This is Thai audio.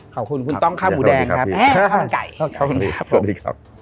ขอบคุณคุณต้องข้าวหมูแดงครับข้าวมันไก่